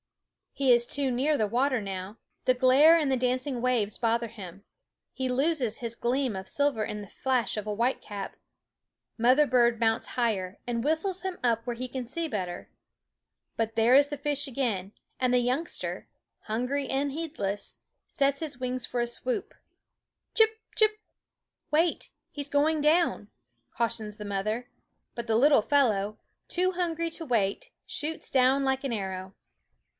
He is too SCHOOL OF x* c E^ r ^1 School for ~fifIie near the water now ; the glare and the dancing waves bother him; he loses his gleam of 6 silver in the flash of a whitecap. Mother bird mounts higher, and whistles him up where he can see better. But there is the fish again, and the youngster, hungry and heedless, sets his wings for a swoop. Chip, chip! "wait, he's going down," cautions the mother; but the little fellow, too hungry to wait, shoots down like an arrow.